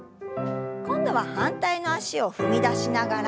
今度は反対の脚を踏み出しながら。